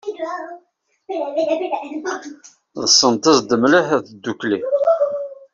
Ḍsant-as-d mliḥ ddukkli.